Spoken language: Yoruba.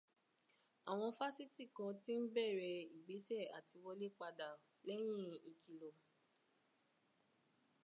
Àwọn fásitì kan ti ń bẹ̀rẹ̀ ìgbésẹ̀ àtiwọlé padà lẹ́yìn ìkìlọ̀.